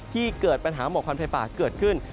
เกิดปัญหาหมอกควันไฟป่าเกิดขึ้น